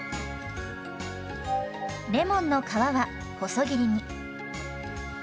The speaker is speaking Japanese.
レモンの皮は細切りに。